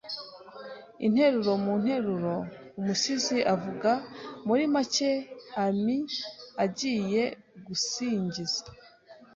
Interuro Mu nteruro umusizi avuga muri make ami agiye gusingiza